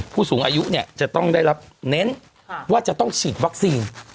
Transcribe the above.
ผู้สูงอายุเนี่ยจะต้องได้รับเน้นว่าจะต้องฉีดวัคซีน